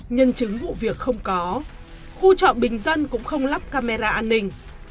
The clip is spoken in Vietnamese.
nhân chứng vụ việc không có khu trọ bình dân cũng không lắp camera an ninh